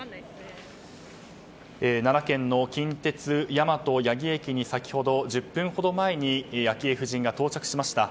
奈良県立の近鉄大和八木駅に先ほど１０分ほど前に昭恵夫人が到着しました。